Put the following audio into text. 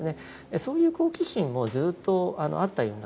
そういう好奇心もずっとあったような気がいたします。